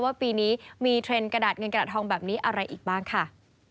ว่าปีนี้มีเทรนด์กระดาษเงินกระดาษทองแบบนี้อะไรอีกบ้างค่ะ